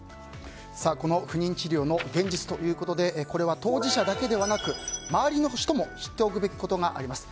この不妊治療の現実ということでこれは当事者だけでなく周りの人も知っておくべきことがあります。